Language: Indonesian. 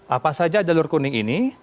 apa saja jalur kuning ini